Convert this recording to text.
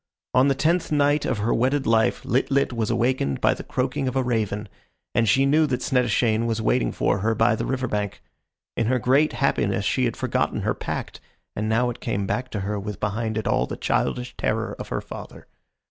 On the tenth night of her wedded life Lit lit was awakened by the croaking of a raven, and she knew that Snettishane was waiting for her by the river bank. In her great happiness she had forgotten her pact, and now it came back to her with behind it all the childish terror of her father.